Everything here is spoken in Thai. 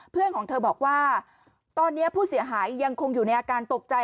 เพื่อนของเธอบอกว่าตอนนี้ผู้เสียหายยังคงอยู่ในอาการตกใจ